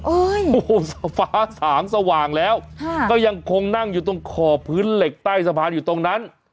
โอ้โหฟ้าสางสว่างแล้วก็ยังคงนั่งอยู่ตรงขอบพื้นเหล็กใต้สะพานอยู่ตรงนั้น